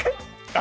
あ！